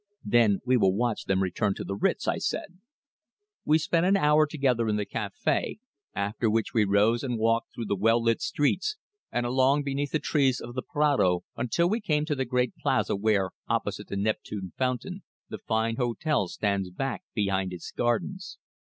"Then we will watch them return to the Ritz," I said. We spent an hour together in the café, after which we rose and walked through the well lit streets and along beneath the trees of the Prado until we came to the great plaza where, opposite the Neptune fountain, the fine hotel stands back behind its gardens.